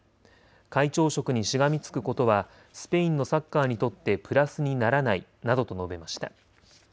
会長職にしがみつくことはスペインのサッカーにとってプラスにならないなどと述べました。